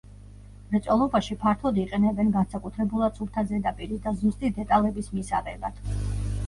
მრეწველობაში ფართოდ იყენებენ განსაკუთრებულად სუფთა ზედაპირის და ზუსტი დეტალების მისაღებად.